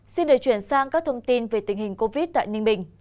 xin được chuyển sang các thông tin về tình hình covid tại ninh bình